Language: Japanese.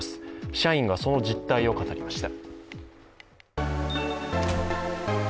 社員がその実態を語りました。